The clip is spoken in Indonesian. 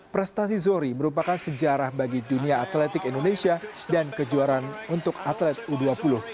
prestasi zohri merupakan sejarah bagi dunia atletik indonesia dan kejuaraan untuk atlet u dua puluh